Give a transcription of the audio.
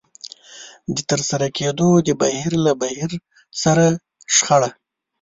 د ترسره کېدو د بهير له بهير سره شخړه.